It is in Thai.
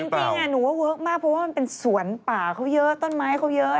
เพราะว่ามันเป็นสวนป่าเขาเยอะต้นไม้เขาเยอะ